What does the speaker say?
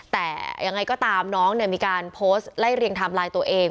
แต่ยังไงก็ตามน้องเนี่ยมีการโพสต์ไล่เรียงไทม์ไลน์ตัวเอง